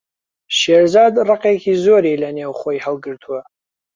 شێرزاد ڕقێکی زۆری لەنێو خۆی هەڵگرتووە.